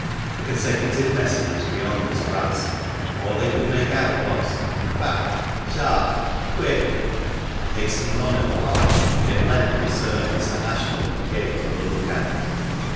A consecutive message was beyond his grasp. All they could make out was, "Back! Sharp! Quick!" And, hastening on in alarm, they at length discerned Mr. Ashton at the gate, on the look out.